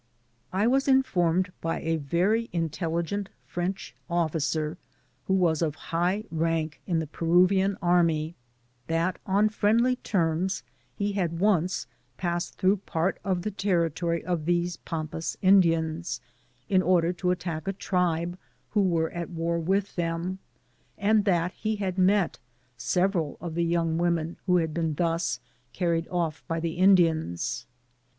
I was informed by a very intelligent French of ficer, who was of high rank in the Peruvian army, that, on friendly terms, he had once passed through part of the territory of these Pampas Indians, in order to attack a tribe who were at war with them, and that he had met several of the young women who had been thus carried off by the Indians.